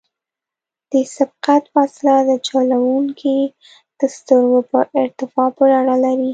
د سبقت فاصله د چلوونکي د سترګو په ارتفاع پورې اړه لري